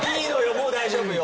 もう大丈夫よ。